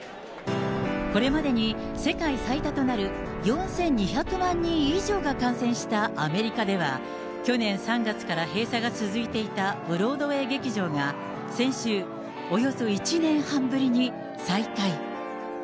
これまでに世界最多となる４２００万人以上が感染したアメリカでは、去年３月から閉鎖が続いていたブロードウェー劇場が先週、およそ１年半ぶりに再開。